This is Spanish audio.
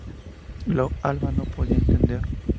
Lou Albano podía entender.